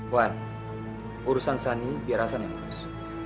wan urusan sani biar hasan yang urus